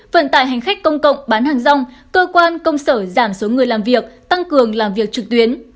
vận tải hành khách công cộng bán hàng rong cơ quan công sở giảm số người làm việc tăng cường làm việc trực tuyến